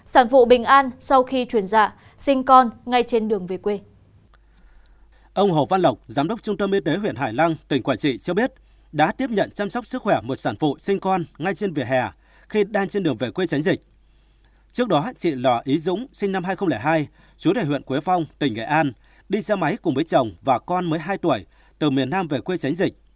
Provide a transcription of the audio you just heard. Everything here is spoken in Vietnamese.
sản phụ bình an sau khi truyền ra sinh con ngay trên đường về quê